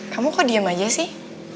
kamu kok diem aja sih